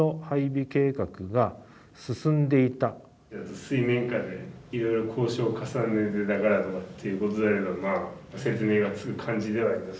水面下でいろいろ交渉を重ねてたからとかっていうことであればまあ説明がつく感じではあります。